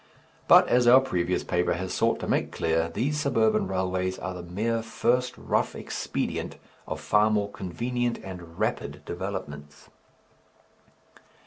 But, as our previous paper has sought to make clear, these suburban railways are the mere first rough expedient of far more convenient and rapid developments.